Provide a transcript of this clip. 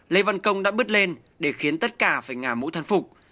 lê văn công đã bước lên để khiến tất cả phải ngả mũi thân phục